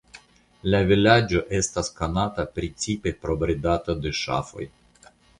La vilaĝo estas konata precipe pro bredado de ŝafoj.